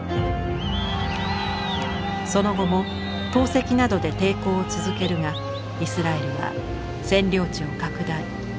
その後も投石などで抵抗を続けるがイスラエルは占領地を拡大。